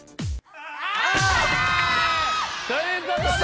あぁ！ということで。